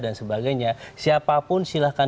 dan sebagainya siapapun silahkan